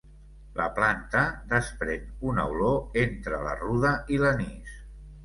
La planta desprèn una olor entre la ruda i l'anís.